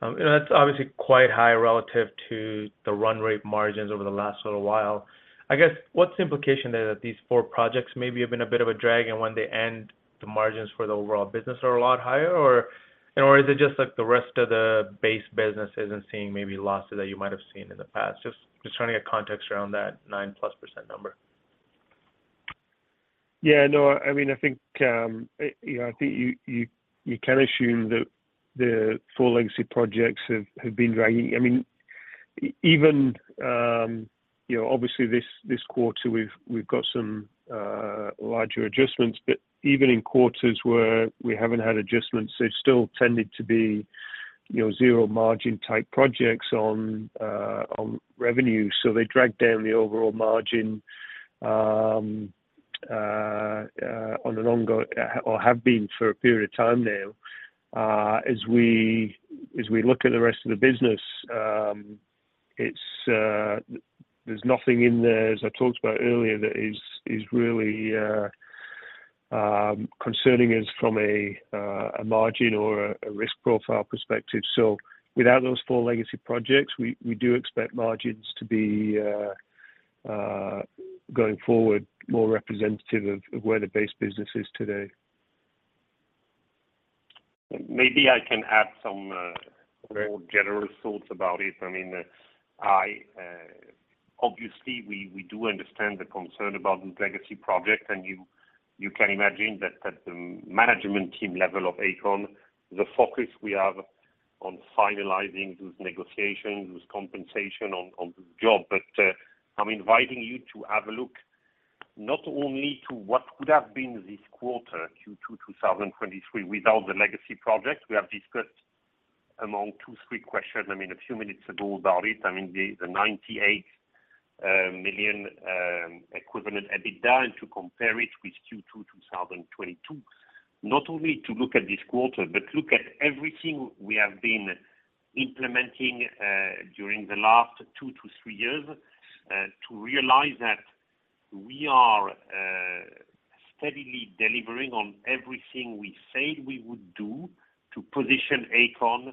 That's obviously quite high relative to the run rate margins over the last little while. I guess, what's the implication there, that these four projects maybe have been a bit of a drag, and when they end, the margins for the overall business are a lot higher? Or, is it just, like, the rest of the base business isn't seeing maybe losses that you might have seen in the past? Just, just trying to get context around that 9+% number. Yeah, no, I mean, I think you can assume that the four legacy projects have been dragging. I mean, even, you know, obviously, this quarter, we've got some larger adjustments, but even in quarters where we haven't had adjustments, they've still tended to be, you know, zero margin-type projects on revenue. They dragged down the overall margin on an ongoing or have been for a period of time now. As we look at the rest of the business, it's. There's nothing in there, as I talked about earlier, that is really concerning us from a margin or a risk profile perspective. Without those four legacy projects, we do expect margins to be going forward, more representative of where the base business is today. Maybe I can add some. Great. more general thoughts about it. I mean, I. Obviously, we do understand the concern about the legacy project, and you can imagine that at the management team level of Aecon, the focus we have on finalizing those negotiations, those compensation on the job. I'm inviting you to have a look, not only to what would have been this quarter, Q2 2023, without the legacy project, we have discussed among two, three questions, I mean, a few minutes ago about it. I mean, the 98 million equivalent EBITDA, and to compare it with Q2 2022. Not only to look at this quarter, but look at everything we have been implementing, during the last two to three years, to realize that we are steadily delivering on everything we said we would do to position Aecon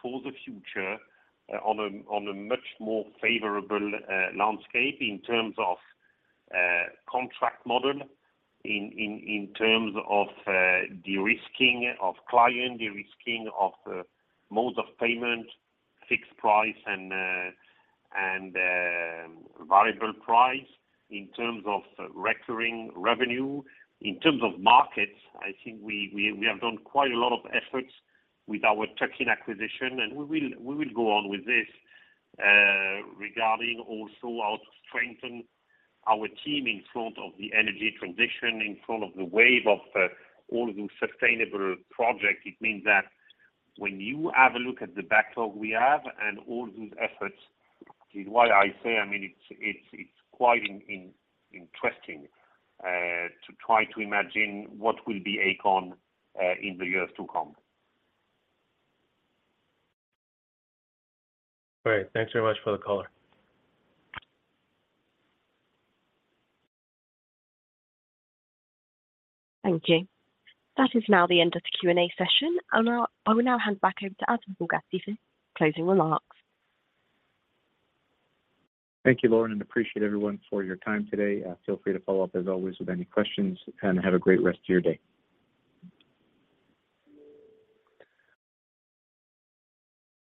for the future, on a much more favorable landscape in terms of contract model, in terms of de-risking of client, de-risking of modes of payment, fixed price, and variable price in terms of recurring revenue. In terms of markets, I think we have done quite a lot of efforts with our Turkish acquisition, and we will go on with this. Regarding also how to strengthen our team in front of the energy transition, in front of the wave of all the sustainable projects, it means that when you have a look at the backlog we have and all those efforts, is why I say, I mean, it's quite interesting to try to imagine what will be Aecon in the years to come. Great. Thanks very much for the color. Thank you. That is now the end of the Q&A session, I will now hand back over to Adam Borgatti for closing remarks. Thank you, Lauren, and appreciate everyone for your time today. Feel free to follow up, as always, with any questions, and have a great rest of your day.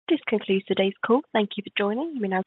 This concludes today's call. Thank you for joining.